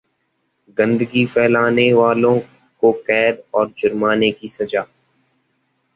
गंदगी फैलाने वालों को कैद और जुर्माने की सजा